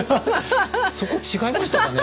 そこ違いましたかね？